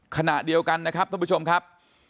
ขณะเดียวกันนะครับท่านผู้ชมครับ